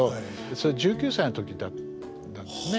それ１９歳の時だったんですね。